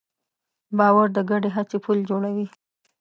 باور د ګډې هڅې پُل جوړوي.